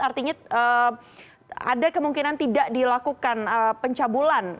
artinya ada kemungkinan tidak dilakukan pencabulan